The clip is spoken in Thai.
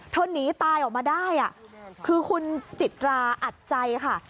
หนีตายออกมาได้คือคุณจิตราอัดใจค่ะ